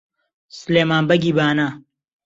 سلێمان بەگی بانە